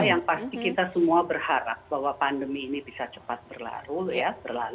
yang pasti kita semua berharap bahwa pandemi ini bisa cepat berlarut ya